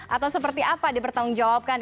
atau seperti apa dipertanggungjawabkan